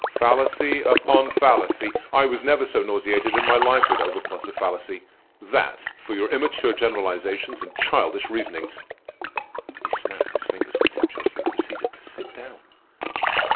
Fallacy upon fallacy! I was never so nauseated in my life with overplus of fallacy. That for your immature generalizations and childish reasonings!" He snapped his fingers contemptuously and proceeded to sit down.